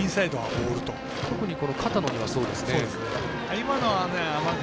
特に片野にはそうですね。